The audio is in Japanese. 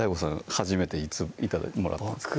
初めていつもらったんですか？